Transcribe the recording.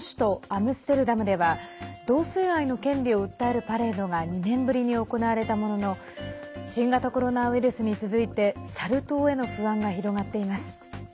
アムステルダムでは同性愛の権利を訴えるパレードが２年ぶりに行われたものの新型コロナウイルスに続いてサル痘への不安が広がっています。